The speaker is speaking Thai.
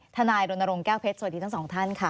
ทนายรณรงค์แก้วเพชรสวัสดีทั้งสองท่านค่ะ